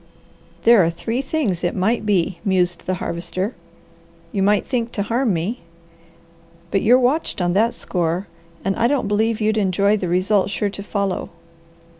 "There are three things it might be," mused the Harvester. "You might think to harm me, but you're watched on that score and I don't believe you'd enjoy the result sure to follow.